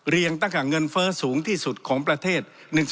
เรียงต่างกับเงินเฟิร์สสูงที่สุดของประเทศ๑๒๓๔๕